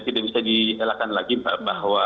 jadi bisa di elakkan lagi bahwa